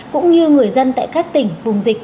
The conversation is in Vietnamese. cũng như người dân tại các tỉnh vùng dịch